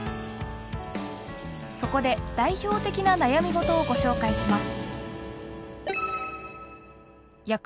そこで代表的な悩み事をご紹介します。